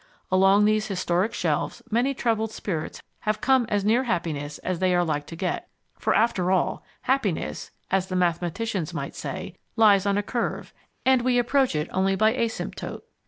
Along these historic shelves many troubled spirits have come as near happiness as they are like to get ... for after all, happiness (as the mathematicians might say) lies on a curve, and we approach it only by asymptote.